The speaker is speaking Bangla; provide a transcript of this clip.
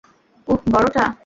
উহ, বড়টা।